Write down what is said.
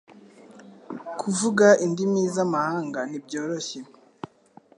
Kuvuga indimi z'amahanga ntibyoroshye